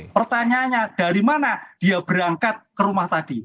pertanyaannya dari mana dia berangkat ke rumah tadi